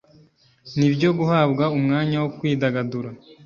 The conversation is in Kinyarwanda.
Nibyo guhabwa umwanya wo kwidagadura